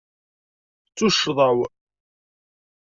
D tuccḍa-w.